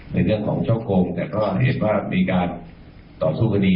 ในเรื่องของช่อโกงแต่ก็เห็นว่ามีการต่อสู้คดี